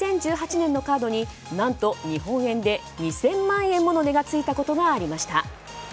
２０１８年のカードに何と日本円で２０００万円もの値がついたことがありました。